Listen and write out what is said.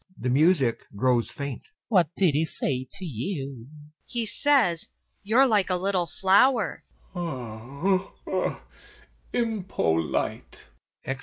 DUNYASHA. He says, "You're like a little flower."